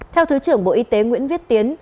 theo thứ trưởng bộ y tế nguyễn viết tiến